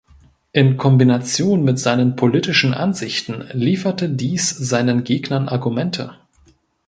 In Kombination mit seinen politischen Ansichten lieferte dies seinen Gegnern Argumente.